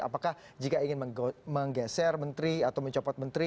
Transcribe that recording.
apakah jika ingin menggeser menteri atau mencopot menteri